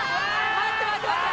待って待って待って。